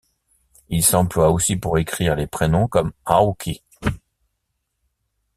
Il s'emploie aussi pour écrire les prénoms, comme Aoki 青貴.